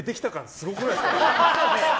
すごくないですか？